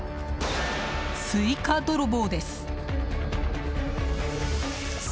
スイカ泥棒です！